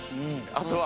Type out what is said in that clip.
あとは。